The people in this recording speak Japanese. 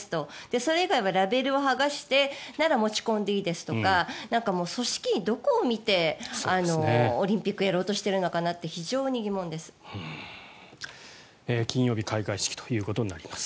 それ以外はラベルを剥がしてなら持ち込んでいいですとか組織委はどこを見てオリンピックをやろうとしてるのかなって非常に疑問です。